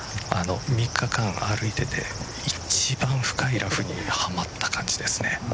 ３日間歩いていて一番深いラフにはまった感じですね。